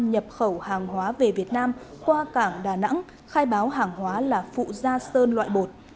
nhập khẩu hàng hóa về việt nam qua cảng đà nẵng khai báo hàng hóa là phụ da sơn loại bột